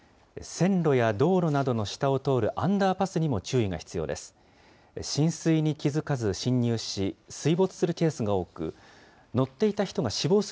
線路や道路などの下を通るアンダーパスにも注意が必要です。